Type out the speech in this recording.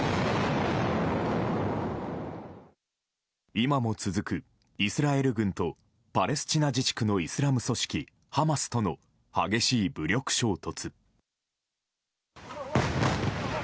今も続く、イスラエル軍とパレスチナ自治区のイスラム組織ハマスとの激しい武力衝突。